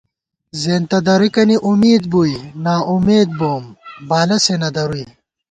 زېنتہ درِکَنی امېد بُوئی نا اُمېد بوم بالہ سے نہ دروئی